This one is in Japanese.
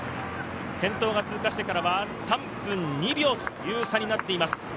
先頭が通過してからは３分２秒という差になっています。